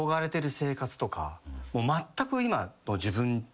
まったく。